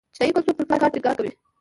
چینايي کلتور پر کار ټینګار کوي.